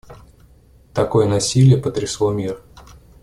Такое насилие потрясло мир.